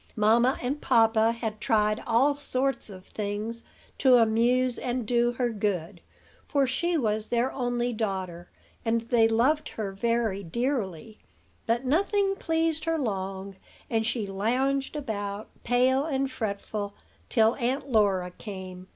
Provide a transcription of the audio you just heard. Mamma and papa had tried all sorts of things to amuse and do her good; for she was their only little daughter, and they loved her very dearly. But nothing pleased her long; and she lounged about, pale and fretful, till Aunt Laura came.